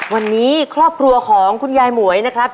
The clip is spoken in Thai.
วันนี้ครอบครัวของคุณยายหมวยนะครับ